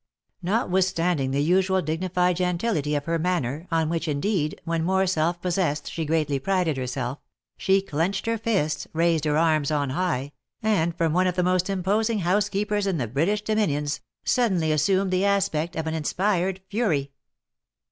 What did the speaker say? Notwithstanding the usual dignified gentility of her manner, on which, indeed, when more self possessed, she greatly prided herself, she clenched her fists, raised her arms on high, and from one of the most imposing housekeepers OF MICHAEL ARMSTRONG. 2j in the British dominions, suddenly assumed the aspect of an in spired fury.